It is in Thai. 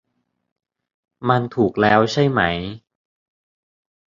มันถูกแล้วใช่ไหม